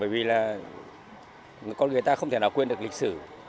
và con người ta không thể nào quên được lịch sử